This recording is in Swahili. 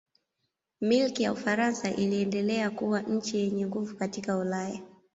Milki ya Ufaransa iliendelea kuwa nchi yenye nguvu katika Ulaya.